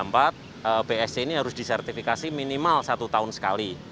bsc ini harus disertifikasi minimal satu tahun sekali